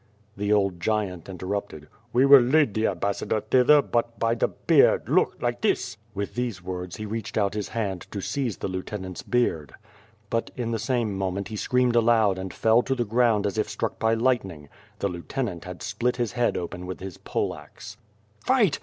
The old giant interrupted. "We will lead the ambassador thither, but by the beard, look, like this!" With these words, he reached out his hand to seize the lieu tenant's beard. But in the same moment, he screamed aloud and fell to the ground as if struck by lierhtning. The lieutenant had split his head open with his poleaxe. "Fight!